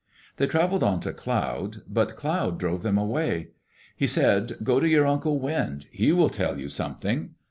They travelled on to Cloud. But Cloud drove them away. He said, "Go to your uncle Wind. He will tell you something."